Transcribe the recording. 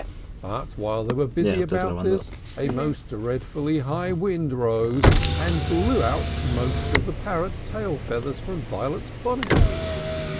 But, while they were busy about this, a most dreadfully high wind rose, and blew out most of the parrot tail feathers from Violet's bonnet.